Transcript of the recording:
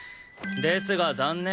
ですが残念。